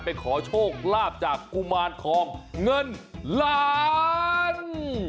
ขอโชคลาภจากกุมารทองเงินล้าน